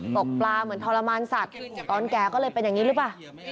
ตกปลาเหมือนทรมานสัตว์ตอนแก่ก็เลยเป็นอย่างนี้หรือเปล่า